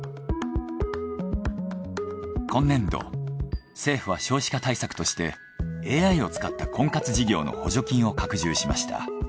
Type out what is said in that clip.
今年度政府は少子化対策としてＡＩを使った婚活事業の補助金を拡充しました。